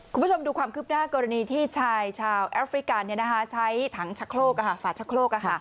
คุณผู้ชมดูความคืบหน้ากรณีที่ชายชาวแอลฟริกาใช้ฝาดชะโครก